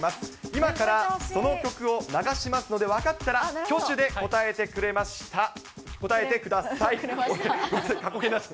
今から、その曲を流しますので、分かったら挙手で答えてくれました、答えてください。